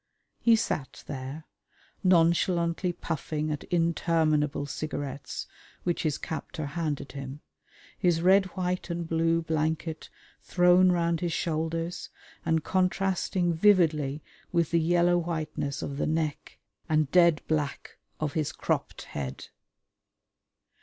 He sat there, nonchalantly puffing at interminable cigarettes which his captor handed him, his red white and blue blanket thrown round his shoulders and contrasting vividly with the yellow whiteness of the neck and dead black of his cropped head.